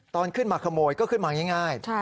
ตอนขึ้นมาขโมยก็ขึ้นมาง่าย